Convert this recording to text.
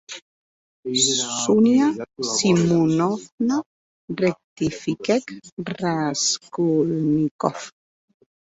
Sonia Simonovna, rectifiquèc Raskolnikov.